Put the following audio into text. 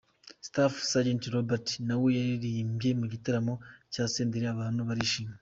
Staff Sergent Robert nawe yaririmbye mu gitaramo cya Senderi abantu barishima.